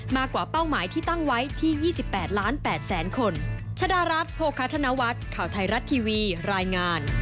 มากกว่าเป้าหมายที่ตั้งไว้ที่๒๘ล้าน๘แสนคน